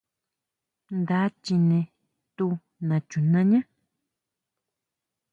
Nda chine tu nachunañá.